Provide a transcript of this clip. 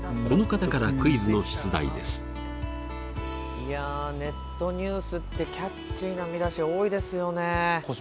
いやネットニュースってキャッチーな見出し多いですよね。